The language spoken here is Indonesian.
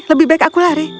lebih baik aku lari